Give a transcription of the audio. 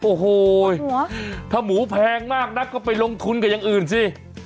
โอ้โหถ้าหมูแพงมากนักก็ไปลงทุนกับอย่างอื่นสิ